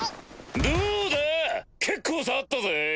どうだ⁉結構触ったぜ。